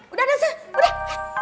udah nessa udah